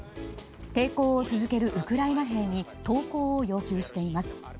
抵抗を続けるウクライナ兵に投降を要求しています。